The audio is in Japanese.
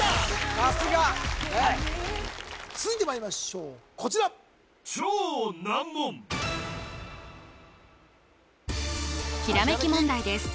さすがはい続いてまいりましょうこちらひらめき問題です